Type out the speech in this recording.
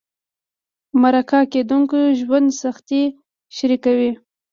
مرکه کېدونکي د ژوند سختۍ شریکوي.